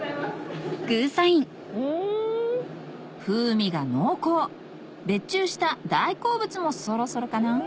風味が濃厚別注した大好物もそろそろかな？